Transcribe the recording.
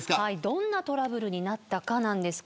どんなトラブルになったかです。